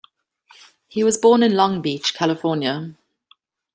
He was born in Long Beach, California.